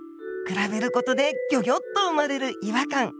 比べることでギョギョッと生まれる違和感。